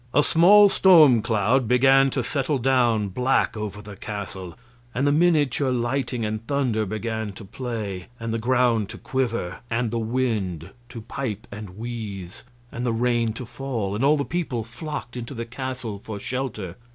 A small storm cloud began to settle down black over the castle, and the miniature lightning and thunder began to play, and the ground to quiver, and the wind to pipe and wheeze, and the rain to fall, and all the people flocked into the castle for shelter.